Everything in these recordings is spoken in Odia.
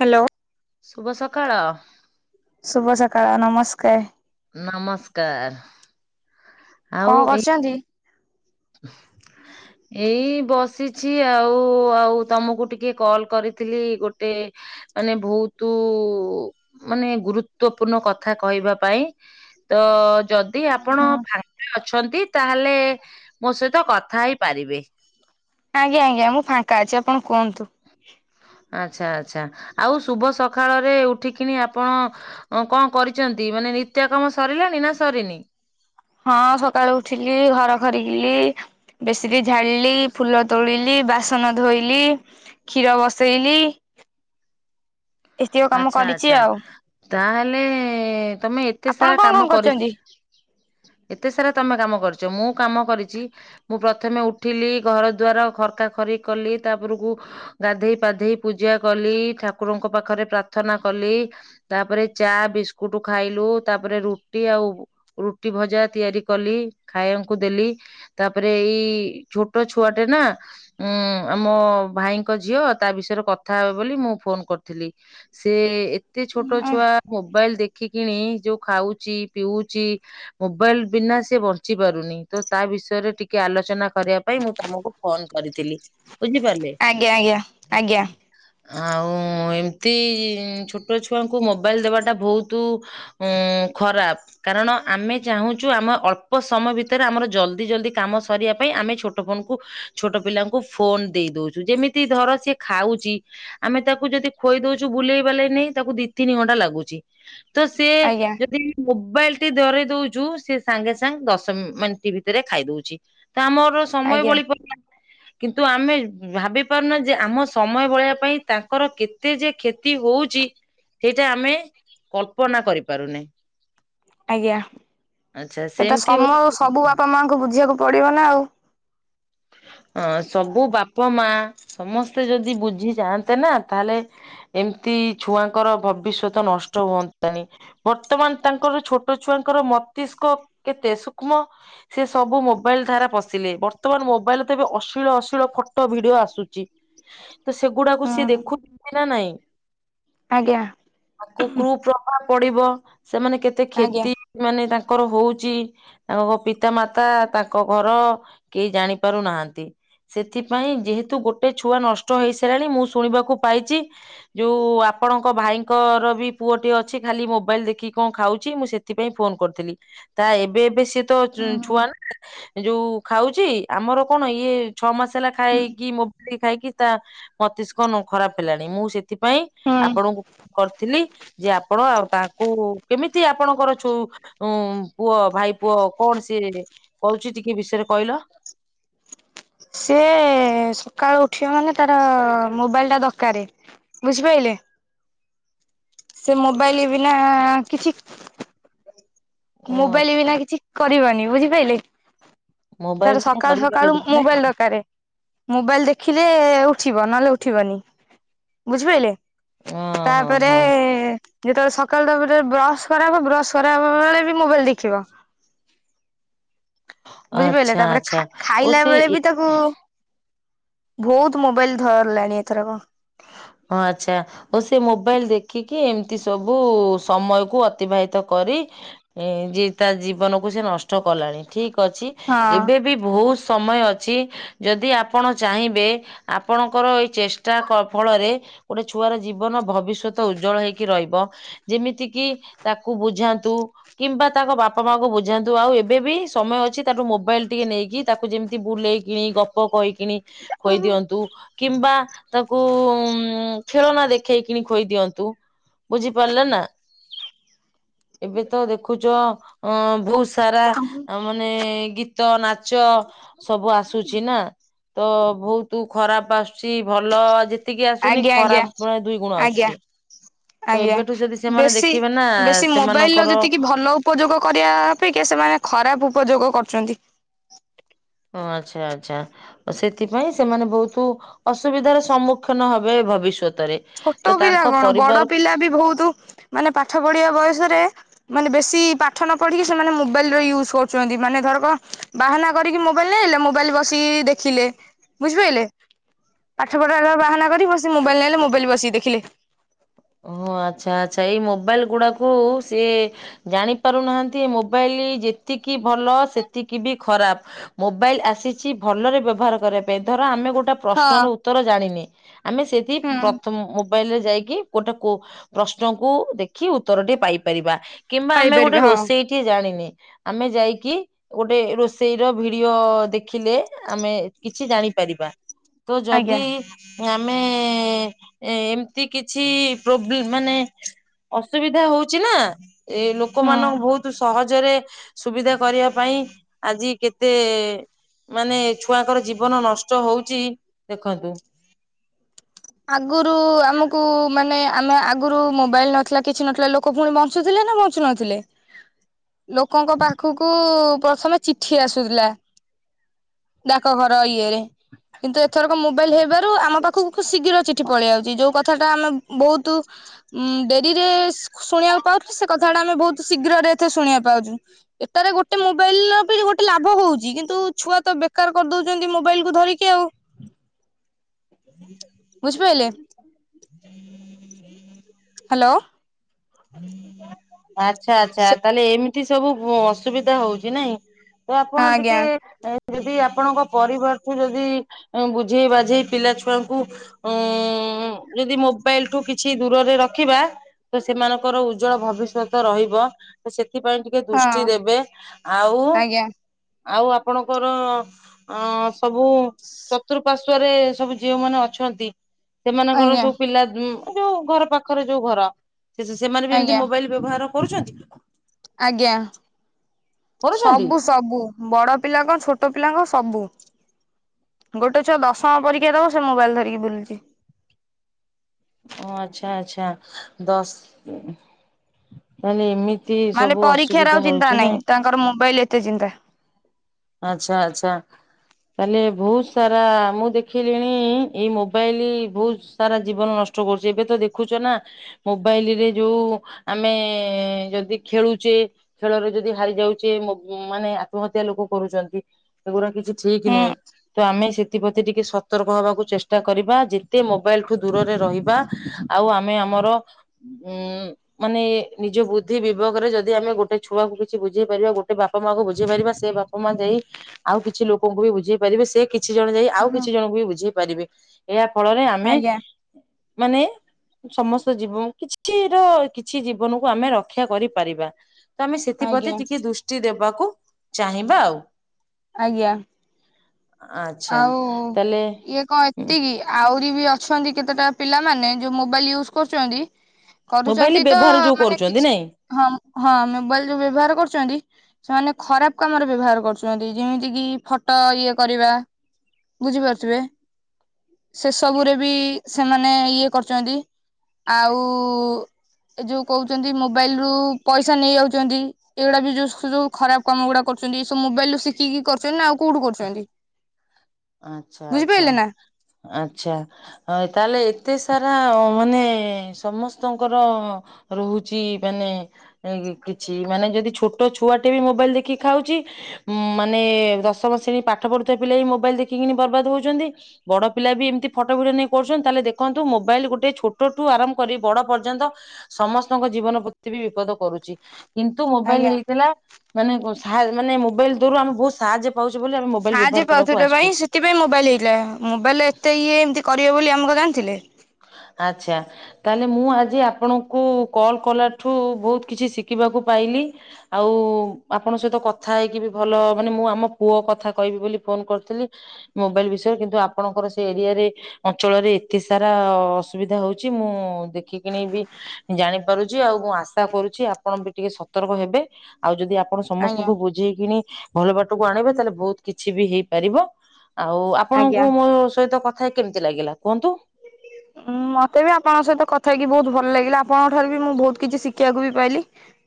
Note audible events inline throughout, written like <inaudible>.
ହ୍ୟାଲୋ। ଶୁଭ ସକାଳ। ଶୁଭ ସକାଳ ନମସ୍କାର। ନମସ୍କାର। ଆଉ କଣ ଏଇ କରୁଛନ୍ତି? <inaudible> ଏଇ ବସିଛି ଆଉ ଆଉ ତମକୁ ଟିକେ କଲ୍ କରିଥିଲି ଗୋଟେ ମାନେ ବହୁତ ମାନେ ଗୁରୁତ୍ୱପୂର୍ଣ୍ଣ କଥା କହିବା ପାଇଁ। ତ ଯଦି ଆପଣ ହଁ। ଫାଙ୍କା ଅଛନ୍ତି ତାହେଲେ ତୁତ କଥା ହେଇପାରିବେ। ଆଜ୍ଞା ଆଜ୍ଞା ମୁଁ ଫାଙ୍କା ଅଛି ଆପଣ କୁହନ୍ତୁ। ଆଛା ଆଛା ଆଉ ଶୁଭ ସକାଳରେ ଉଠିକିନି ଆପଣ ଅ କଣ କରିଛନ୍ତି ମାନେ ନିତ୍ୟ କାମ ସରିଲାଣି ନା ସରିନି? ହଁ ସକାଳୁ ଉଠିଲି ଘର ଖରିକି। ବେଡସିଟ୍ ଝାଡ଼ିଲି ଫୁଲ ତୋଳିଲି ବାସନ ଧୋଇଲି। କ୍ଷୀର ବସେଇଲି। ଏତିକ କାମ ଆଚ୍ଛା କରିଛି ଆଚ୍ଛା ଆଉ ତାହେଲେ ତମେ ଏତେ ଆପଣ ସାରା କଣ କଣ କାମ କରି କରୁଛନ୍ତି? ଏତେ ସାରା ତମେ କାମ କରିଛ ମୁଁ କାମ କରିଛି ମୁଁ ପ୍ରଥମେ ଉଠିଲି ଘର ଦୁଆର ଖରକା ଖରି କଲି ତାପରକୁ ଗାଧେଇ ପାଧେଇ ପୂଜା କଲି ଠାକୁରଙ୍କ ପାଖରେ ପ୍ରାର୍ଥନା କଲି। ତାପରେ ଚା ବିସ୍କୁଟ ଖାଇଲୁ, ତାପରେ ରୁଟି ଆଉ ରୁଟି ଭଜା ତିଆରି କଲି, ଖାଇଆଙ୍କୁ ଦେଲି। ତାପରେ ଏଇ ଛୋଟ ଛୁଆଟେ ନା ଉଁ ମୋ ଭାଇଙ୍କ ଝିଅ, ତା ବିଷୟରେ କଥା ହେବେ ବୋଲି, ମୁଁ ଫୋନ୍ କରିଥିଲି। ସେ ଏତେ ଛୋଟ ଛୁଆ, ମୋବାଇଲ୍ ଦେଖିକିଣି, ଯୋଉ ଖାଉଚି, ପିଉଚି ମୋବାଇଲ୍ ବିନା ସେ ବଞ୍ଚି ପାରୁନି, ତ ତା ବିଷୟରେ ଟିକେ ଆଲୋଚନା କରିବା ପାଇଁ ମୁଁ ତମକୁ ଫୋନ୍ କରିଥିଲି, ବୁଝିପାରିଲେ? ଆଜ୍ଞା ଆଜ୍ଞା ଆଜ୍ଞା ଆଉ ଏମିତି ଛୋଟ ଛୁଆଙ୍କୁ ମୋବାଇଲ ଦେବାଟା ବହୁତୁ ଉଁ ଖରାପ, କାରଣ ଆମେ ଚାହୁଁଛୁ, ଆମେ ଅଳ୍ପ ସମୟ ଭିତରେ ଆମର ଜଲ୍ ଦି ଜଲ୍ ଦି କାମ ସରିବା ପାଇଁ, ଆମେ ଛୋଟ ଫୋନ କୁ ଛୋଟ ପିଲାଙ୍କୁ ଫୋନ ଦେଇ ଦଉଚୁ, ଯେମିତି ଧର ସିଏ ଖାଉଚି ଆମେ ତାକୁ ଯଦି ଖୋଇ ଦଉଚୁ ବୁଲେଇବାଲେଇ ନେଇ, ତାକୁ ଦି ତିନି ଘଣ୍ଟା ଲାଗୁଚି ତ ସିଏ, ଆଜ୍ଞା ଯଦି ମୋବାଇଲ ଟି ଧରେଇ ଦଉ ଚୁ, ସିଏ ସାଙ୍ଗେ ସାଙ୍ଗେ ଦଶ ମିନିଟ୍ ଭିତରେ ଖାଇ ଦଉଚି, ତ ଆମର ସମୟ ଆଜ୍ଞା ବଳି ପଡିଲା କିନ୍ତୁ ଆମେ ଭାବି ପାରୁନ ଯେ, ଆମ ସମୟ ବଳେଇଆ ପାଇଁ ତାଙ୍କର କେତେ ଯେ କ୍ଷତି ହଉଚି ସେଇଟା ଆମେ କଳ୍ପନା କରିପାରୁନେ। ଆଜ୍ଞା, ଆଚ୍ଛା ସେଟା ସେମିତି ସମ ହଉଛି ସବୁ ବାପା ମାଆଙ୍କୁ ବୁଝିବାକୁ ପଡିବ ନା ଆଉ। ଅ ସବୁ ବାପ ମା, ସମସ୍ତେ ଯଦି ବୁଝି ଯାଆନ୍ତେ ନା, ତାହେଲେ ଏମିତି ଛୁଆଙ୍କର ଭବିଷ୍ୟତ ନଷ୍ଟ ହୁଅନ୍ତାନି। ବର୍ତ୍ତମାନ ତାଙ୍କର ଛୋଟ ଛୁଆଙ୍କର ମସ୍ତିଷ୍କ କେତେ ସୂକ୍ଷ୍ମ? ସେ ସବୁ ମୋବାଇଲ୍ ଧାରା ପଶିଲେ, ବର୍ତ୍ତମାନ ମୋବାଇଲ୍ ତେବେ ଅଶ୍ଳୀଳ ଅଶ୍ଳୀଳ ଫଟୋ ଭିଡିଓ ଆସୁଚି ତ ହଁ। ସେଗୁଡାକୁ ସିଏ ଦେଖୁଚନ୍ତି ନା ନାଇଁ? ଆଜ୍ଞା। ତାକୁ କୁ ପ୍ରଭାବ ପଡିବ, ସେମାନେ କେତେ ଆଜ୍ଞା। କ୍ଷତି ମାନେ ତାଙ୍କର ହଉଚି, ତାଙ୍କ ପିତା ମାତା, ତାଙ୍କ ଘର, କେହି ଜାଣି ପାରୁନାହାନ୍ତି। ସେଥିପାଇଁ ଯେହେତୁ ଗୋଟେ ଛୁଆ ନଷ୍ଟ ହେଇସାରିଲାଣି, ମୁଁ ଶୁଣିବାକୁ ପାଇଚି ଯୋଉ ଆପଣଙ୍କ ଭାଇଙ୍କର ବି ପୁଅଟିଏ ଅଛି, ଖାଲି ମୋବାଇଲ୍ ଦେଖିକି କଣ ଖାଉଚି, ମୁଁ ସେ ସେଥିପାଇଁ ଫୋନ କରିଥିଲି, ତା ଏବେ ଏବେ ସିଏ ତ ହଁ ଛୁଆ ନା, ଯୋଉ ଖାଉଚି, ଆମର କଣ ଇଏ ଛଅ ମାସ ହେଲା ହଁ। ଖାଇକି, ମୋବାଇଲ୍ ଖାଇକି ତା ମସ୍ତିଷ୍କ ନ ଖରାପ ହେଲାଣି, ମୁଁ ସେ ଏଥିପାଇଁ ହୁଁ ଆପଣଙ୍କୁ କରିଥିଲି, ଯେ ଆପଣ ଆଉ ତାଙ୍କୁ କେମିତି ଆପଣଙ୍କର ଚୋଉ, ଉଁ ପୁଅ ଭାଇ ପୁଅ କଣ ସିଏ କହୁଚି, ଟିକେ ବିଷୟରେ କହିଲ? ସିଏ ସକାଳୁ ଉଠିବ ମାନେ, ତାର ମୋବାଇଲ ଟା ଦରକାରେ। ବୁଝିପାଇଲେ? ସେ ମୋବାଇଲ ବିନା କିଛି ଓ ମୋବାଇଲ ବିନା କିଛି କରିବନି, ବୁଝିପାଇଲେ? ମୋବାଇଲ ତାର ସକାଳୁ ସକାଳୁ କରିପାରିବି ନା ମୋବାଇଲ ଦରକାରେ। ମୋବାଇଲ ଦେଖିଲେ ଉଠିବ, ନହେଲେ ଉଠିବନି, ବୁଝିପାଇଲେ? ଓହୋ ତାପରେ ହୋ ଯେତେବେଳେ ସକାଳୁ ତାପରେ ବ୍ରସ୍ କରାହବ, ବ୍ରସ୍ କରାହବା ବେଳେ ବି ମୋବାଇଲ୍ ଦେଖିବ। ବୁଝିପାଇଲେ, ଆଚ୍ଛା ତାପରେ ଆଚ୍ଛା ଖା ଓ ଖାଇଲା ସେ ବେଳେ ବି ତାକୁ ବହୁତ ମୋବାଇଲ୍ ଧରିଲାଣି ଏଥରକ। ହଁ ଆଚ୍ଛା। ଓ ସେ ମୋବାଇଲ ଦେଖିକି ଏମିତି ସବୁ ସମୟ କୁ ଅତିବାହିତ କରି ଏମିତି ତା ଜୀବନକୁ ସେ ନଷ୍ ଟ କଲାଣି। ଠିକ ଅଛି, ହଁ ଏବେ ବି ବହୁତ ସମୟ ଅ ଛି। ଯଦି ଆପଣ ଚାହିଁବେ, ଆପଣଙ୍କର ଏଇ ଚେଷ୍ଟା କ ଫଳରେ, ଗୋଟେ ଛୁଆର ଜୀବନ ଭବିଷ୍ୟତ ଉଜ୍ଜଳ ହେଇକି ରହିବ। ଯେମିତି କିି ତାକୁ ବୁଝାନ୍ତୁ। କିମ୍ବା ତାଙ୍କ ବାପା ମାଙ୍କୁ ବୁଝାନ୍ତୁ। ଆଉ ଏବେ ବି ସମୟ ଅଛି, ତାଠୁ ମୋବାଇଲ ଟିକେ ନେଇକି ତାକୁ ଯେମିତି ବୁଲେଇକିଣି, ଗ ଗ କହିିକିଣି ଖୁଏଇ ଦିଅନ୍ତୁ, କିମ୍ବା ତାକୁ ଉଁ ଖେଳନା ଦେଖେଇକିଣି ଖୋଇଦିଅନ୍ତୁ। ବୁଝିପାରିଲା ନା? ଏବେ ତ ଦେଖୁଛ, ଅ ବହୁତ ସାରା ମାନେ ଗୀତ ନା ଚ ସବୁ ଆସୁଛି ନା, ତ ବହୁତ ଖରାପ ଆସୁ ଛି। ଭଲ ଯେତିକି ଆସୁନି ଆଜ୍ଞା ଆଜ୍ଞା ଖରାପର ଦୁଇ ଗୁଣ ଆଜ୍ଞା। ଆସୁଛି। ତ ଆଜ୍ଞା ଏବେଠୁ ଯଦି ସେମାନେ ବେଶୀ ଦେଖିବେ ନା, ବେଶୀ ମୋବାଇଲ ର ସେମାନଙ୍କର ଯେତିକି ଭଲ ଉପଯୋଗ କରିବା ଅପେକ୍ଷା ସେମାନେ ଖରାପ ଉପଯୋଗ କରୁଛନ୍ତି। ହଁ, ଆଚ୍ଛା, ଆଚ୍ଛା। ସେଥିପାଇଁ ସେମାନେ ବହୁତ ଅସୁବିଧାର ସମ୍ମୁଖୀନ ହେବେ ଭବିଷ୍ୟତରେ। ତ ଛୋଟ ପିଲା ତାଙ୍କ କଣ, ବଡ ପରିବାରକୁ ପିଲା ବି ବହୁତ ମାନେ ପାଠ ପଢିବା ବୟସରେ ମାନେ ବେଶୀ ପାଠ ନ ପଢିକି ସେମାନେ ମୋବାଇଲର ୟୁଜ୍ କରୁଛନ୍ତି, ମାନେ ଧରକ ବାହାନା କରିକି ମୋବାଇଲ ନେଇ ଆଇଲେ, ମୋବାଇଲ ବସିକି ଦେଖିଲେ। ବୁଝିପାଇଲେ? ପାଠପଢାର ବାହାନା କରି, ବସି ମୋବଇଲ ନେଇ ଆଇଲେ, ମୋବାଇଲ ବସିକି ଦେଖିଲେ। ଓହ, ଆଚ୍ଛା, ଆଚ୍ଛା, ଏଇ ମୋବାଇଲ ଗୁଡାକୁ ସିଏ ଜାଣି ପାରୁନାହାନ୍ତି, ଏ ମୋବାଇଲ ଯେତିକି ଭଲ ସେତିକି ବି ଖରାପ। ମୋବାଇଲ ଆସିଛି, ଭଲରେ ବ୍ୟବହାର କରିବା ପାଇଁ, ଧର ଆମେ ଗୋ ଗୋଟେ ହଁ ପ୍ରଶ୍ନର ଉତ୍ତର ଜାଣିନେ, ଆମେ ସେଠି ହୁଁ ପ୍ରଥମ ମୋବାଇଲରେ ଯାଇକି, ଗୋଟେକୁ ପ୍ରଶ୍ନକୁ ଦେଖି ଉତ୍ତରଟେ ପାଇପାରିବା। କିମ୍ବା ଆମେ ଗୋଟେ ପାଇପାରିବେ ହଁ ରୋଷେଇ କି ଜାଣିନେ, ଆମେ ଯାଇକି ଗୋଟେ ରୋଷେଇର ଭିଡିଓ ଦେଖିଲେ, ଆମେ କିଛି ଜାଣିପାରିବା। ତ ଯଦି ଆଜ୍ଞା ଆମେ ଏମିତି କି ଛି ପ୍ରୋବ୍ଲେମ୍ ମାନେ ଅସୁବିଧା ହଉଛି ନା। ଏ ହୁଁ। ଲୋକମାନଙ୍କୁ ବହୁତ ସହଜରେ ସୁବିଧା କରିବା ପାଇଁ ଆଜି କେତେ ମାନେ ଛୁଆଙ୍କର ଜୀବନ ନଷ୍ଟ ହଉଛି, ଦେଖନ୍ତୁ। ଆଗରୁ ଆମକୁ, ମାନେ ଆମେ ଆଗରୁ ମୋବାଇଲ ନଥିଲା, କିଛି ନଥିଲା ଲୋ ଲୋକ ପୁଣି ବଞ୍ଚୁଥିଲେ ନା, ବଞ୍ଚୁ ନଥିଲେ। <inaudible> ଲୋକଙ୍କ ପାଖକୁ ପ୍ରଥମେ ଚିଠି ଆସୁଥିଲା, ଡାକଘର ଇଏରେ, କିନ୍ତୁ ଏଥରକ ମୋବାଇଲ ହେଇବାରୁ ଆମ ପାଖକୁ ଖୁବ୍ ଶୀଘ୍ର ଚିଠି ପଳେଇ ଆଉଛି, ଯୋଉ କଥାଟା ଆମେ ବହୁତ ଉଁ ଡେରିରେ ଶୁ ଶୁଣିବାକୁ ପାଉଥିଲେ, ସେ କଥାଟା ଆମେ ବହୁତ ଶୀଘ୍ରରେ ଏଥିରେ ଶୁଣିବାକୁ ପାଉଛୁ। ଏଟାରେ ଗୋଟେ ମୋବାଇଲର ବି ଗୋଟେ ଲାଭ ହଉଛି, କିନ୍ତୁ ଛୁଆ ତ ବେକାର କରିଦଉଛନ୍ତି ମୋବାଇଲକୁ ଧରିକି ଆଉ। ହଁ। <inaudible> ବୁଝିପାଇଲେ? <inaudible> <inaudible> ହାଲୋ। ଆଚ୍ଛା ଆଚ୍ଛା ହଁ ତାହେଲେ ଏମିତି ସବୁ ଅ- ଅସୁବିଧା ହଉଚି ନାଇଁ? ସେ ଆପଣ ଆଜ୍ଞା ଟିକେ ଏ ଯଦି ଆପଣଙ୍କ ପରିବାରଠୁ ଯଦି ବୁଝେଇ ବାଝେଇ ପିଲା ଛୁଆଙ୍କୁ ଉଁ- ଯଦି ମୋବାଇଲଠୁ କିଛି ଦୂରରେ ରଖିବା ତ ସେମାନଙ୍କର ଉଜ୍ଜଳ ଭବିଷ୍ୟ ସତ ରହିବ ତ ସେଥିପାଇଁ ଟିକେ ହଁ ଦୃଷ୍ଟି ଦେବେ ଆଉ ଆଜ୍ଞା ଆଉ ଆପଣଙ୍କର ଅଁ- ସବୁ ଚତ୍ ଚତୁଃପାର୍ଶ୍ଵରେ ସବୁ ଯେଉଁମାନେ ସବୁ ଅଛନ୍ତି ସେମାନଙ୍କର ଆଜ୍ଞା ସବୁ ପିଲା ଉଁ ଯଉ ଘର ପାଖରେ ଯଉ ଘର ସେ-ସେମାନେ ବି ଏମିତି ଆଜ୍ଞା ମୋବାଇଲ ବ୍ୟବହାର କରୁଛନ୍ତି। ଆଜ୍ଞା କରୁଛନ୍ତି ସବୁ ସବୁ ବଡ ପିଲା କଣ ଛୋଟ ପିଲା କଣ ସବୁ। ଗୋଟେ ଛୁଆ ଦଶମ ପରୀକ୍ଷା ଦବ ସେ ମୋବାଇଲ୍ ଧରିକି ବୁଲୁଚି। ଓ ଆଚ୍ଛା ଆଚ୍ଛା ଦଶ୍ -ତାହଲେ ଏମିତି ମାନେ ସବୁ ପରୀକ୍ଷାରେ ଅସୁବିଧା ଆଉ ଚିନ୍ତା ହଉଛି ନାହିଁ ନାଇଁ ତାଙ୍କର ମୋବାଇଲ୍ ଏତେ ଚିନ୍ତା। ଆଛା ଆଛା। ତାହେଲେ ବହୁତ୍ ସାରା ମୁଁ ଦେଖିଲିଣି ଏଇ ମୋବାଇଲି ବହୁତ୍ ସାରା ଜୀବନ ନଷ୍ଟ କରୁଚି ଏବେ ତ ଦେଖୁଚ ନା ମୋବାଇଲିରେ ଯଉ ଆମେ ଯଦି ଖେଳୁଚେ ଖେଳରେ ଯଦି ହାରି ଯାଉଚେ ମୋ-ମାନେ ଆତ୍ମହତ୍ୟା ଲୋକ କରୁଚନ୍ତି ଏଗୁରା କିଛି ଠିକି ହୁଁ ନୁହେଁ ତ ଆମେ ସେଥିପ୍ରତି ଟିକେ ସ ସତର୍କ ହବାକୁ ଚେଷ୍ଟା କରିବା ଯେତେ ମୋବାଇଲ୍ ଠୁ ଦୂରରେ ରହିବା ଆଉ ଆମେ ଆମର ଉଁ- ମାନେ ନିଜ ବୁଦ୍ଧି ବିବକରେ ଯଦି ଆମେ ଗୋଟେ ଛୁଆକୁ କିଛି ବୁଝେଇ ପାରିବା ଗୋଟେ ବାପା ମାକୁ ବୁଝେଇ ପାରିବା ସେ ବାପ୍ ମା ଯାଇ ଆଉ କିଛି ଲୋକଙ୍କୁ ବି ବୁଝେଇ ପାରିବେ ସେ କିଛି ଜଣ ଯାଇ ଆଉ ହୁଁ କିଛି ଜଣଙ୍କୁ ବି ବୁଝେଇ ପାରିବେ। ଏହାଫଳରେ ଆମେ ଆଜ୍ଞା ମାନେ ସମସ୍ତ ଜୀବ- କିଛି ର କିଛି ଜୀବନକୁ ଆମେ ରକ୍ଷା କରିପାରିବା। ତ ଆମେ ଆଜ୍ଞା ସେଥିପ୍ରତି ଟିକେ ଦୃଷ୍ଟି ଦେବାକୁ ଚାହିଁବା ଆଉ। ଆଜ୍ଞା। ଆଚ୍ଛା। ଆଉ ତାହେଲେ ଇଏ କଣ ଏତିକି ଆହୁରି ବି ଅଛନ୍ତି କେତେଟା ପିଲାମାନେ ଯଉ ମୋବାଇଲ୍ ୟୁଜ୍ କରୁଚନ୍ତି ମୋବାଇଲ କରୁଚନ୍ତି ତ ବ୍ୟବହାର ଯୋଉ ମାନେ କରୁଛନ୍ତି କିଛି ନାଇଁ ହଁ -ହଁ ମୋବାଇଲ୍ ଯଉ ବ୍ୟବହାର କରୁଚନ୍ତି ସେମାନେ ଖରାପ୍ କାମରେ ବ୍ୟବହାର କରୁଚନ୍ତି ଯେମିତି କି ଫଟୋ ଇଏ କରିବା। ବୁଝିପାରୁଥିବେ ସେ ସବୁରେ ବି ସେମାନେ ଇଏ କରୁଚନ୍ତି। ଆଉ ଏ ଯଉ କହୁଚନ୍ତି ମୋବାଇଲ୍ ରୁ ପଇସା ନେଇ ଯାଉଚନ୍ତି ଏଇଗୁଡା ବି ଯଉ ସଉ ଖରାପ୍ କାମ ଗୁଡା କରୁଚନ୍ତି ଏ ସବ ମୋବାଇଲ୍ ରୁ ଶିଖିକି କରୁଚନ୍ତି ନା ଆଉ କଉଠୁ କରୁଚନ୍ତି। ଆଚ୍ଛା ଆଚ୍ଛା- ନା ଆଚ୍ଛା। ହଁ ତାହେଲେ ଏତେ ସାରା ମାନେ ସମସ୍ତଙ୍କର ରହୁଚି ମାନେ ଏ କିଛି ମାନେ ଯଦି ଛୋଟ ଛୁଆଟେ ବି ମୋବାଇଲ୍ ଦେଖି ଖାଉଚି ଉଁ- ମାନେ ଦଶମ ଶ୍ରେଣୀ ପାଠ ପଢୁଥିବା ପିଲା ବି ମୋବାଇଲ୍ ଦେଖିକିନି ବର୍ବାଦ ହଉଚନ୍ତି ବଡ ପିଲା ବି ଏମିତି ଫଟୋ ଭିଡିଓ ନେଇ କରୁଚନ୍ତି ତାହେଲେ ଦେଖନ୍ତୁ ମୋବାଇଲ୍ ଗୋଟେ ଛୋଟଠୁ ଆରମ୍ଭ କରି ବଡ ପର୍ଯ୍ୟନ୍ତ ସମସ୍ତଙ୍କ ଜୀବନ ପ୍ରତି ବି ବିପଦ କରୁଚି। କିନ୍ତୁ ମୋବାଇଲ୍ ଆଜ୍ଞା ହେଇଥିଲା ମାନେ ସା- ମାନେ ମୋବାଇଲ୍ ଦରୁ ଆମେ ବହୁତ୍ ସାହାଯ୍ୟ ପାଉଛୁ ବୋଲି ଆମେ ମୋବାଇଲ ସାହାଯ୍ୟ ବ୍ୟବହାର କରିବାକୁ ପାଉଥିଲେ ପାଇଁ ଆସିଛୁ। ସେଥିପାଇଁ ମୋବାଇଲ୍ ହେଇଥିଲା ମୋବାଇଲ ଏତେ ଇଏ ଏମିତି କରିବେ ବୋଲି ଆମେ କଣ ଜାଣିଥିଲେ। ଆଚ୍ଛା ତାହେଲେ ମୁଁ ଆଜି ଆପଣଙ୍କୁ କଲ କଲାଠୁ ବହୁତ କିଛି ଶିଖ ଶିଖିବାକୁ ପାଇଲି ଆଉ ଆପଣଙ୍କ ସହିତ କଥା ହେଇକି ବି ଭଲ ମାନେ ମୁଁ ଆମ ପୁଅ କଥା କହିବି ବୋଲି ଫୋନ କରିଥିଲି। ମୋବାଇଲ ବିଷୟରେ କିନ୍ତୁ ଆପଣଙ୍କର ସେ ଏରିଆରେ ଅଞ୍ଚଳରେ ଏତେ ତାର ଅସୁବିଧା ହଉଛି ମୁଁ ଦେଖିକିଣିବି ଜାଣିପାରୁଛି ଆଉ ମୁଁ ଆଶା କରୁଛି ଆପଣ ବି ଟିକେ ସତର୍କ ହେବେ। ଆଉ ଯଦି ଆପ ଆପଣ ଆଜ୍ଞା ସମସ୍ତଙ୍କୁ ବୁଝେଇକିଣି ଭଲ ବାଟକୁ ଆଣିବେ ତାହେଲେ ବହୁତ କିଛି ବି ହେଇପାରିବ। ଆଉ ଆଜ୍ଞା ଆପଣଙ୍କୁ ମୋ ସହିତ କଥା କେମିତି ଲାଗିଲା କୁହନ୍ତୁ? ହୁଁ ମତେ ବି ଆପଣଙ୍କ ସହିତ କଥା ହେଇକି ବହୁତ ଭଲ ଲାଗିଲା ଆପଣଙ୍କ ଠାରୁ ବି ମୁଁ ବହୁତ କିଛି ଶିଖିବାକୁ ବି ପାଇଲି।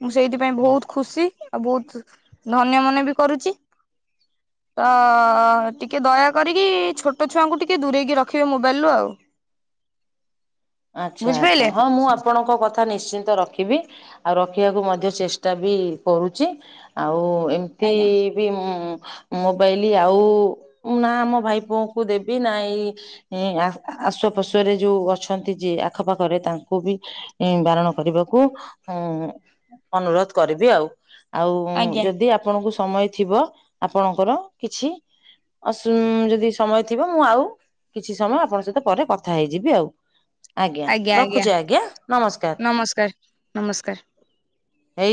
ମୁଁ ସେଇଥିପାଇଁ ବହୁତ ଖୁସି ଆଉ ବହୁତ ଧନ୍ୟ ମନେ ବି କରୁଛି। ଅ ଟିକେ ଦୟା କରିକି ଛୋଟ ଛୁଆଙ୍କୁ ଟିକେ ଦୂରେଇକି ରଖିବେ ମୋବାଇଲରୁ ଆଉ। ଆଚ୍ଛା ଆଚ୍ଛା ବୁଝିପାରିଲେ ହଁ ମୁଁ ଆପଣଙ୍କ କଥା ନିଶ୍ଚିନ୍ତ ରଖିବି। ଆଉ ରଖିବାକୁ ମଧ୍ୟ ଚେଷ୍ଟା ବି କରୁଛି। ଆଉ ଏମତି ଆଜ୍ଞା ବି ମୋବାଇଲ ଆଉ ନା ଆମ ଭାଇ ପୁଅଙ୍କୁ ଦେବି ନା ଏଇ ଏ ଆସୋ ପୋଷୋରେ ଯୋଉ ଅଛ ଅଛନ୍ତି ଯି ଆଖପାଖରେ ତାଙ୍କୁ ବି ବାରଣ କରିବାକୁ ଉ ଅନୁରୋଧ କରିବି ଆଉ ଆଉ ଆଜ୍ଞା ଯଦି ଆପ ଆପଣଙ୍କୁ ସମୟ ଥିବ ଆପଣଙ୍କର କିଛି ଅସୁ ଯଦି ସମୟ ଥିବ ମୁଁ ଆଉ କିଛି ସମୟ ଆପଣଙ୍କ ସହିତ ପରେ କଥା ହେଇଯିବି ଆଉ। ଆଜ୍ଞା ରଖୁଛି ଆଜ୍ଞା ନମସ୍କାର। ନମସ୍କାର। ନମସ୍କାର। ଏଇ